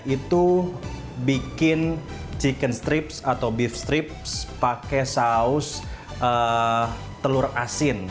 itu bikin chicken strips atau beef strips pakai saus telur asin